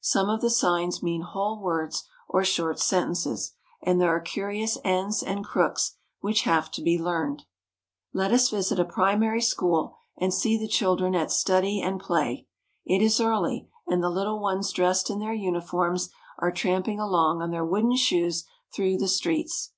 Some of the signs mean whole words or short sentences, and there are curious ends and crooks which have to be learned. Let us visit a primary school and see the children at study and play. It is early, and the little ones dressed in their uniforms are tramping along on their wooden shoes through the streets.